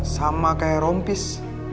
sama kayak rompis